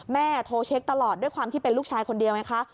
โทรเช็คตลอดด้วยความที่เป็นลูกชายคนเดียวไงคะ